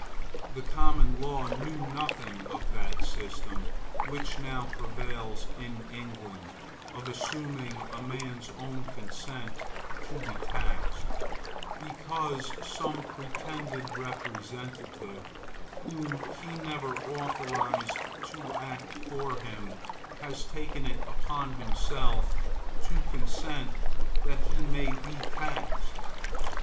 The Common Law knew nothing of that system, which now prevails in England, of assuming a man's own consent to be taxed, because some pretended representative, whom he never authorized to act for him, has taken it upon himself to consent that he may be taxed.